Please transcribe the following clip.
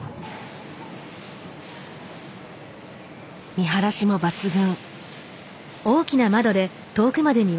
見晴らしも抜群。